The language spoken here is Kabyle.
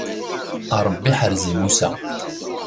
A Ṛebbi ḥerz-i Musa.